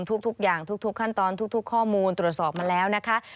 ทุกอย่างทุกขั้นตอนทุกข้อมูลตรวจสอบมาแล้วนะคะ